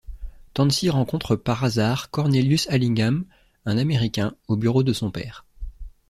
Tansy rencontre par hasard Cornelius Allingham, un Américain, au bureau de son père.